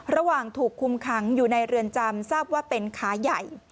ระหว่างถูกคุมขังอยู่ในเรือนจำทราบว่าเป็นขาใหญ่